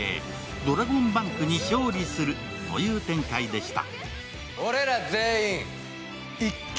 ドラゴンバンクに勝利するという展開でした。